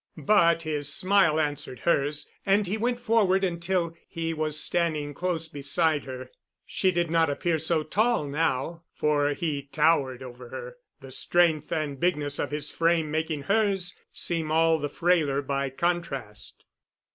But his smile answered hers, and he went forward until he was standing close beside her. She did not appear so tall now, for he towered over her, the strength and bigness of his frame making hers seem all the frailer by contrast.